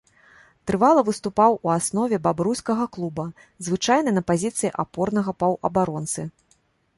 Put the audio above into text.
Трывала выступаў у аснове бабруйскага клуба, звычайна на пазіцыі апорнага паўабаронцы.